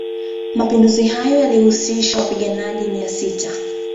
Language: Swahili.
Mapinduzi hayo yaliwahusisha wapaiganaji mia sita